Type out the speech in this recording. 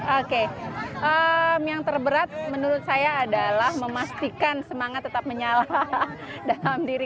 oke yang terberat menurut saya adalah memastikan semangat tetap menyala dalam diri